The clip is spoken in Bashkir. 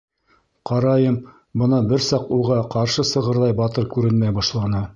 Ҡарайым, бына бер саҡ уға ҡаршы сығырҙай батыр күренмәй башланы.